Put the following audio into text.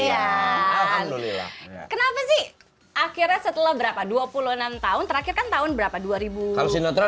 iya kenapa sih akhirnya setelah berapa dua puluh enam tahun terakhir kan tahun berapa